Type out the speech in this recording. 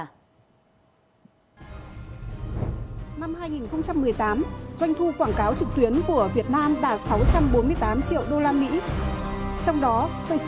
năm hai nghìn một mươi tám doanh thu quảng cáo trực tuyến của việt nam đạt sáu trăm bốn mươi tám triệu usd